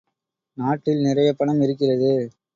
நாட்டில் நிறைய பணம் இருக்கிறது!